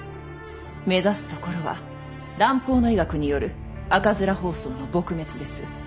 目指すところは蘭方の医学による赤面疱瘡の撲滅です。